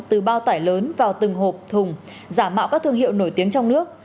từ bao tải lớn vào từng hộp thùng giả mạo các thương hiệu nổi tiếng trong nước